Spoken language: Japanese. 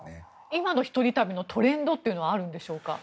今の一人旅のトレンドというのはあるんでしょうか。